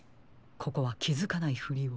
ここはきづかないふりを。